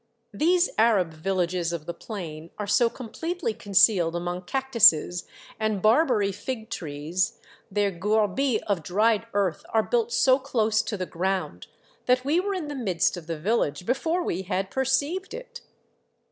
These Arab villages of the plain are so com pletely concealed among cactuses and Barbary fig trees, their gourhis of dried earth are built so close to the ground, that we were in the midst of the vil lage before we had perceived it.